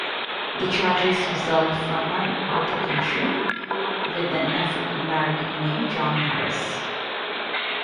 The charges result from an altercation with an African American named John Harris.